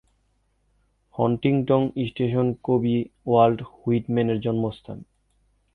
Huntington station কবি Walt হুইটম্যানের জন্মস্থান।